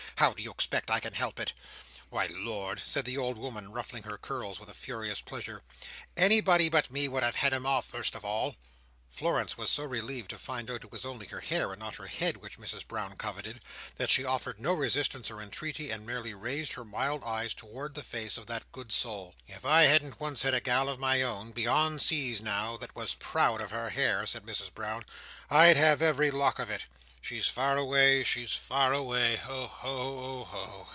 "How do you expect I can help it? Why, Lord!" said the old woman, ruffling her curls with a furious pleasure, "anybody but me would have had 'em off, first of all." Florence was so relieved to find that it was only her hair and not her head which Mrs Brown coveted, that she offered no resistance or entreaty, and merely raised her mild eyes towards the face of that good soul. "If I hadn't once had a gal of my own—beyond seas now—that was proud of her hair," said Mrs Brown, "I'd have had every lock of it. She's far away, she's far away! Oho! Oho!"